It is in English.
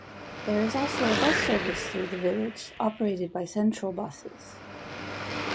There is also a bus service through the village, operated by Central Buses.